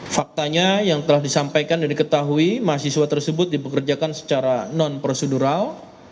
faktanya yang telah disampaikan dan diketahui mahasiswa tersebut dipekerjakan secara non prosedural